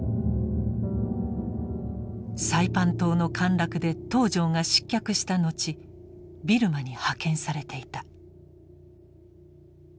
サイパン島の陥落で東條が失脚した後ビルマに派遣されていた。